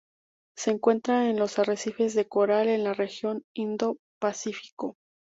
Se encuentra en los arrecifes de coral en la región Indo-Pacífico.